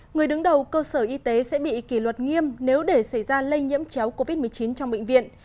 người đứng đầu cơ sở y tế sẽ bị kỷ luật nghiêm nếu để xảy ra lây nhiễm chéo covid một mươi chín trong bệnh viện